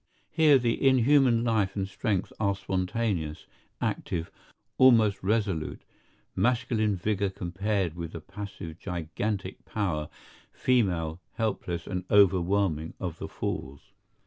Here the inhuman life and strength are spontaneous, active, almost resolute; masculine vigor compared with the passive gigantic power, female, helpless and overwhelming, of the Falls.